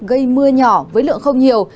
gây mưa nhỏ với lượng không nhiều